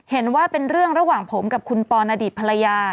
เห็นว่าเป็นเรื่องระหว่างผมกับคุณปอนอดีตภรรยา